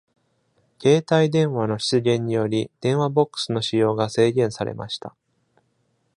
携帯電話の出現により、電話ボックスの使用が制限されました。